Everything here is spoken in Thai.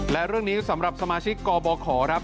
และเรื่องนี้สำหรับสมาชิกกบขครับ